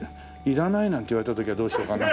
「いらない」なんて言われた時はどうしようかな？